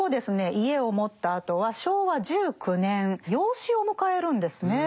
家を持ったあとは昭和１９年養子を迎えるんですね。